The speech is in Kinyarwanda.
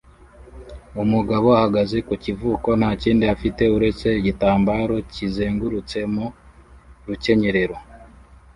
Umugabo ahagaze ku kivuko nta kindi afite uretse igitambaro kizengurutse mu rukenyerero